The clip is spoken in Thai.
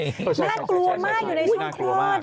น่ากลัวมากอยู่ในช่องคลอด